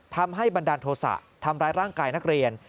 บันดาลโทษะทำร้ายร่างกายนักเรียน